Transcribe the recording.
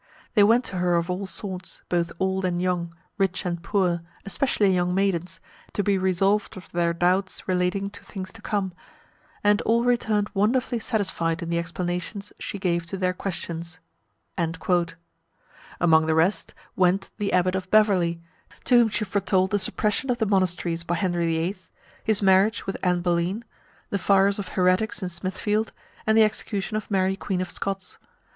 They went to her of all sorts, both old and young, rich and poor, especially young maidens, to be resolved of their doubts relating to things to come; and all returned wonderfully satisfied in the explanations she gave to their questions." Among the rest, went the Abbot of Beverley, to whom she foretold the suppression of the monasteries by Henry VIII., his marriage with Anne Boleyn, the fires for heretics in Smithfield, and the execution of Mary Queen of Scots.